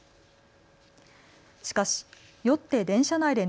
しかし酔って電車内で